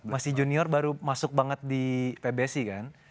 masih junior baru masuk banget di pbsi kan